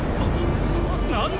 何だ？